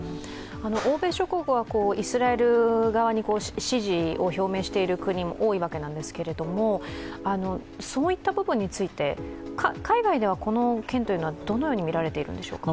欧米諸国はイスラエル側に支持を表明している国も多いわけなんですけれども、そういった部分について、海外ではこの件はどのように見られてるんでしょうか？